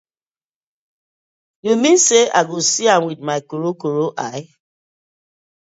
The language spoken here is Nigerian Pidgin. Yu mean say I go see am wit my koro eye?